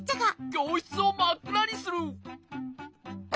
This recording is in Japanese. きょうしつをまっくらにする。